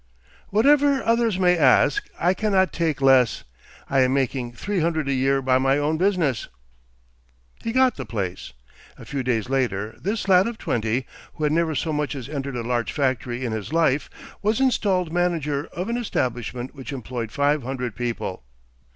"Whatever others may ask, I cannot take less. I am making three hundred a year by my own business." He got the place. A few days after, this lad of twenty, who had never so much as entered a large factory in his life, was installed manager of an establishment which employed five hundred people.